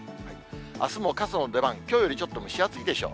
あすも傘の出番、きょうよりちょっと蒸し暑いでしょう。